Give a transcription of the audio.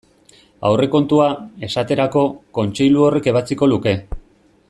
Aurrekontua, esaterako, Kontseilu horrek ebatziko luke.